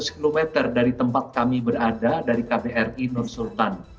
dua ratus km dari tempat kami berada dari kbri nur sultan